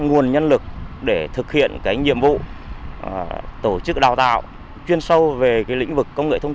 nguồn nhân lực để thực hiện cái nhiệm vụ tổ chức đào tạo chuyên sâu về cái lĩnh vực công nghệ thông